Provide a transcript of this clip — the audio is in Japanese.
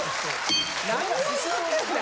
何を言うてんねん。